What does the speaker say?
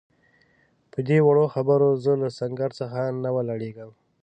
پدې وړو خبرو زه له سنګر څخه نه ولاړېږم.